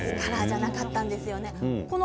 カラーじゃなかったんです。